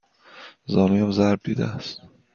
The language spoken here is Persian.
زانویم ضرب دیده است.